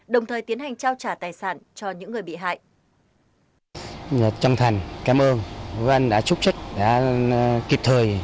đồng thời tiến hành trao trả tài sản cho những người bị hại